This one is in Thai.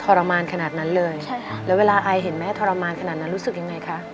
รมานขนาดนั้นเลยใช่ค่ะแล้วเวลาไอเห็นแม่ทรมานขนาดนั้นรู้สึกยังไงคะ